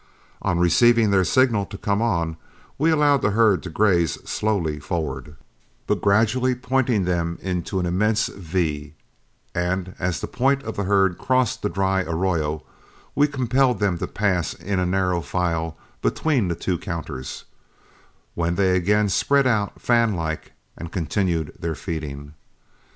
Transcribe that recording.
On receiving their signal to come on, we allowed the herd to graze slowly forward, but gradually pointed them into an immense "V," and as the point of the herd crossed the dry arroyo, we compelled them to pass in a narrow file between the two counters, when they again spread out fan like and continued their feeding.